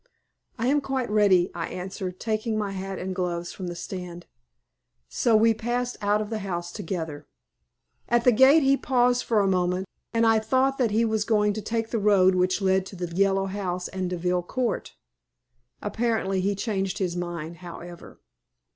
"I am quite ready," I answered, taking my hat and gloves from the stand. So we passed out of the house together. At the gate he paused for a moment, and I thought that he was going to take the road which led to the Yellow House and Deville Court. Apparently he changed his mind, however.